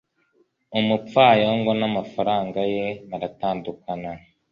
Umupfayongo n'amafaranga ye baratandukana.